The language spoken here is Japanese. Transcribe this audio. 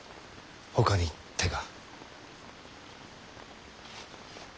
ほかに手が。